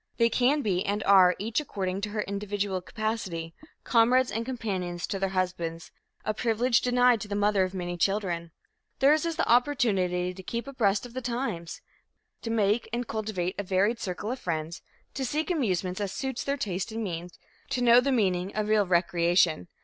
They can be and are, each according to her individual capacity, comrades and companions to their husbands a privilege denied to the mother of many children. Theirs is the opportunity to keep abreast of the times, to make and cultivate a varied circle of friends, to seek amusements as suits their taste and means, to know the meaning of real recreation.